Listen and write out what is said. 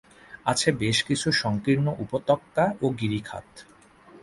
আছে বেশ কিছু সংকীর্ণ উপত্যকা ও গিরিখাত।